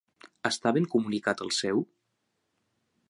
Està ben comunicat el seu.?